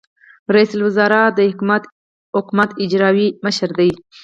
رئیس الوزرا د حکومت اجرائیوي مشر دی